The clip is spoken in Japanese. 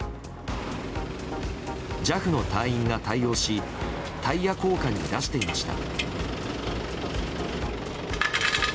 ＪＡＦの隊員が対応しタイヤ交換に出していました。